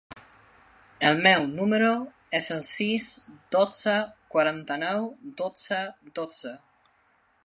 El meu número es el sis, dotze, quaranta-nou, dotze, dotze.